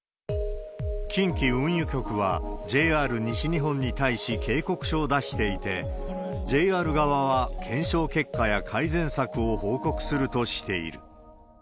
近畿運輸局は、ＪＲ西日本に対し警告書を出していて、ＪＲ側は検証結果や改善策を報告するとしている。